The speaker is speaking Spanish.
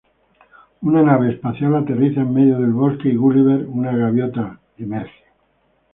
Una nave espacial aterriza en medio del bosque, y Gulliver, una gaviota, emerge.